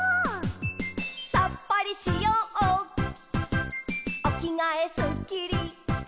「さっぱりしようおきがえすっきり」